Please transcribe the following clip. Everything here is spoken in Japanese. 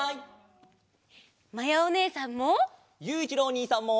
まやおねえさんも！